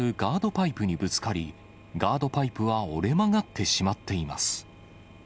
パイプにぶつかり、ガードパイプは折れ曲がってしまっています。